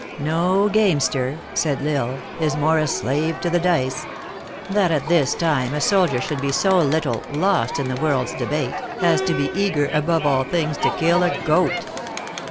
" ~No gamester," said L Isle, " is more a slave to the dice. That at this time a soldier should be so little lost in the world s debate as to be eager, above all things, to kill a goat